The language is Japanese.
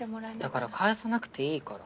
だから返さなくていいから。